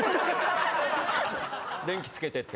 「電気つけて」って。